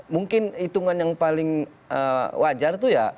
mungkin hitungan yang paling wajar itu ya